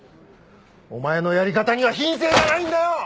お前のやり方には品性がないんだよ！